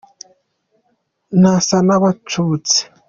Ntasa n’abacubutse